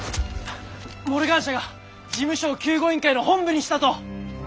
モルガン社が事務所を救護委員会の本部にしたと。